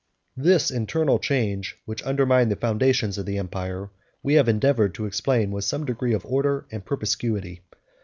The internal change, which undermined the foundations of the empire, we have endeavored to explain with some degree of order and perspicuity.